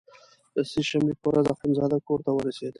د سې شنبې په ورځ اخندزاده کورته ورسېد.